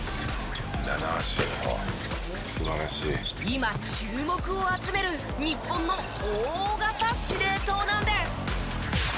今注目を集める日本の大型司令塔なんです。